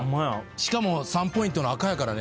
しかも３ポイントの赤やからね。